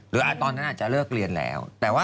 ตอนนั้นอาจจะเลิกเรียนแล้ว